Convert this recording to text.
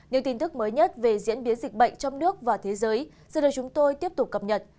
những tin tức mới nhất về diễn biến dịch bệnh trong nước và thế giới sẽ được chúng tôi tiếp tục cập nhật